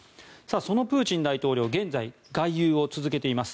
そのプーチン大統領現在、外遊を続けています。